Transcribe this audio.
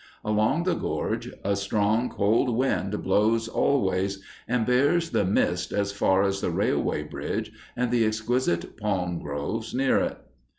Along the Gorge a strong, cold wind blows always, and bears the mist as far as the railway bridge and the exquisite palm groves near it.